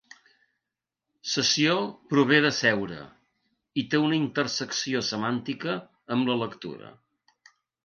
Sessió prové de seure, i té una intersecció semàntica amb la lectura.